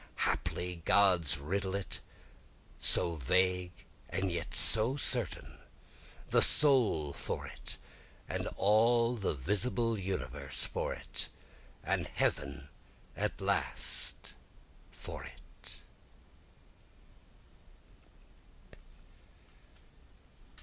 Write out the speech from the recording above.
Haply God's riddle it, so vague and yet so certain, The soul for it, and all the visible universe for it, And heaven at last for it.